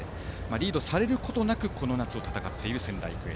リードされることなくこの夏を戦っている仙台育英。